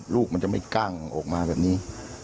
ลูกมันจะไม่กล้างออกมาแบบนี้